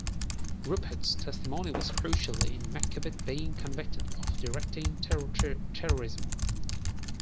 Rupert's testimony was crucial in McKevitt being convicted of directing terrorism.